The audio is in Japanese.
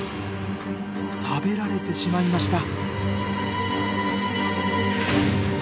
食べられてしまいました。